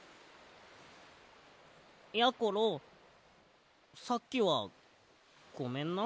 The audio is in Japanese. やころさっきはごめんな。